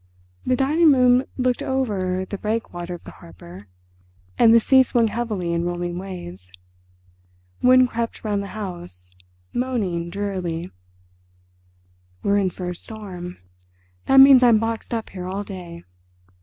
The dining room looked over the breakwater of the harbour, and the sea swung heavily in rolling waves. Wind crept round the house, moaning drearily. "We're in for a storm. That means I'm boxed up here all day.